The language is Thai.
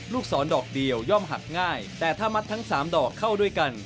ศรดอกเดียวย่อมหักง่ายแต่ถ้ามัดทั้ง๓ดอกเข้าด้วยกัน